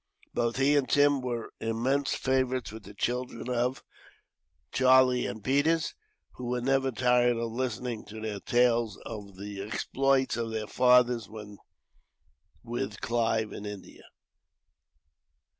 Both he and Tim were immense favourites with the children of Charlie and Peters, who were never tired of listening to their tales of the exploits of their fathers, when with Clive in India.